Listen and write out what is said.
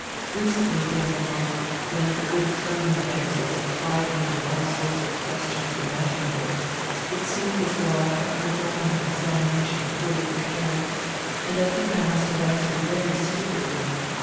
Recently, dear mama, when the good Flemming damsels plied me witfi all sorts of questions imaginable, it seemed as though I were under going an examination poorly prepared, and I think I must have answered very stupidly.